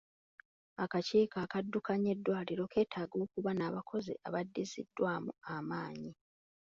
Akakiiko akaddukanya eddwaliro keetaaga okuba n'abakozi abaddiziddwamu amaanyi.